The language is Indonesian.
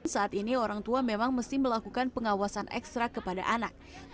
saat ini orang tua memang mesti melakukan pengawasan ekstra kepada anak